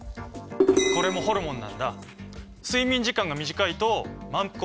これもホルモンなんだ。